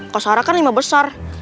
kasara kan lima besar